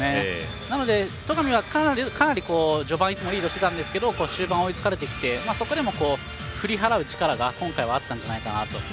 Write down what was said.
なので、戸上は、かなり序盤ずっとリードしてたんですけど終盤、追いつかれてきてそこでも振り払う力が今回はあったんじゃないかなと。